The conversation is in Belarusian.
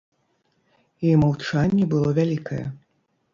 І маўчанне было вялікае.